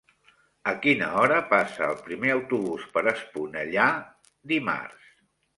A quina hora passa el primer autobús per Esponellà dimarts?